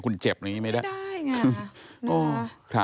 คุณเจ็บอย่างงี้ไม่ได้ไม่ได้ไงน่าค่ะ